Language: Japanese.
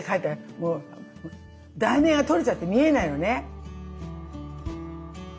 もう題名が取れちゃって見えないのね。